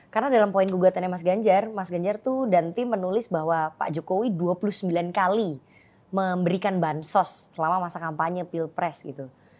karena dalam poin gugatannya mas ganjar mas ganjar tuh dan tim menulis bahwa pak jokowi dua puluh sembilan kali memberikan bahan sos selama masa kampanye pilpres gitu